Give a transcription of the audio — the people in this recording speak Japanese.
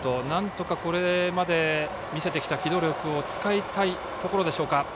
なんとか、これまで見せてきた機動力を使いたいところでしょうか。